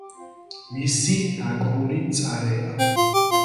მისი დაკრული მწარეა.